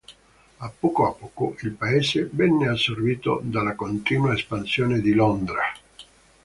A poco a poco il paese venne assorbito dalla continua espansione di Londra.